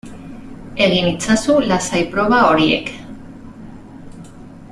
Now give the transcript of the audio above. Egin itzazu lasai proba horiek